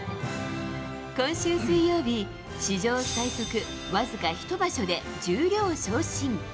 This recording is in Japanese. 今週水曜日、史上最速僅か１場所で十両昇進。